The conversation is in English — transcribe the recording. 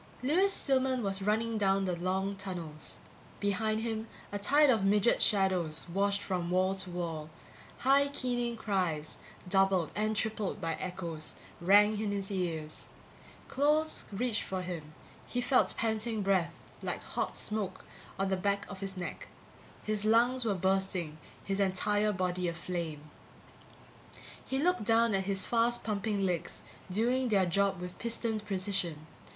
Lewis Stillman was running down the long tunnels. Behind him a tide of midget shadows washed from wall to wall; high keening cries, doubled and tripled by echoes, rang in his ears. Claws reached for him; he felt panting breath, like hot smoke, on the back of his neck; his lungs were bursting, his entire body aflame. He looked down at his fast pumping legs, doing their job with pistoned precision.